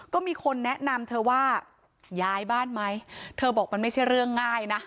ก็มีคนแนะนำเธอว่าย้ายบ้านไหมเธอบอกมันไม่ใช่เรื่องง่ายนะ